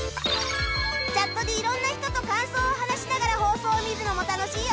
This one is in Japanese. チャットで色んな人と感想を話しながら放送を見るのも楽しいよ